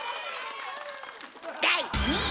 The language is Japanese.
第２位！